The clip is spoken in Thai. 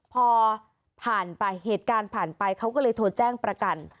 พอผ่านไปเหตุการณ์ผ่านไปเขาก็เลยโทรแจ้งประกัน